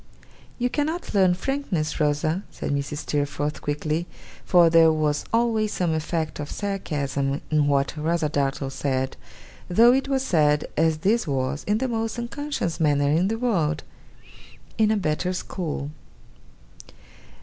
'You cannot learn frankness, Rosa,' said Mrs. Steerforth quickly for there was always some effect of sarcasm in what Rosa Dartle said, though it was said, as this was, in the most unconscious manner in the world 'in a better school.